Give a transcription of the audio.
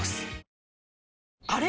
あれ？